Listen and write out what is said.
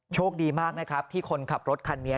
โชคดีมากนะครับที่คนขับรถคันนี้